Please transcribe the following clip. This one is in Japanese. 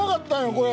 これ。